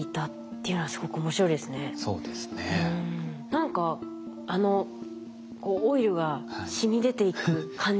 何かあのこうオイルがしみ出ていく感じ。